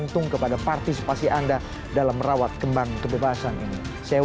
terima kasih pak dudie terima kasih